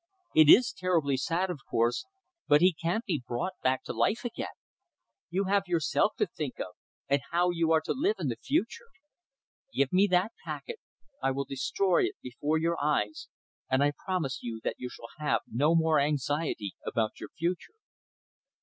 It is terribly sad, of course, but he can't be brought back to life again. You have yourself to think of, and how you are to live in the future. Give me that packet, I will destroy it before your eyes, and I promise you that you shall have no more anxiety about your future."